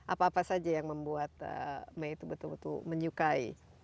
apa apa saja yang membuat may itu betul betul menyukai